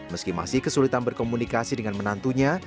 meski masih kesulitan berkomunikasi dengan menantunya